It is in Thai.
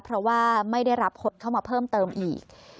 เพราะว่าไม่ได้รับคนเข้ามาเพิ่มเติมอีก